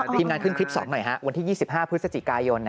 ทีมงานขึ้นคลิป๒หน่อยฮะวันที่๒๕พฤศจิกายน